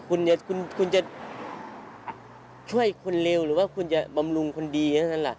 คุณจะช่วยคนเร็วหรือว่าคุณจะบำรุงคนดีเท่านั้นล่ะ